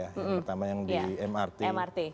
yang pertama yang di mrt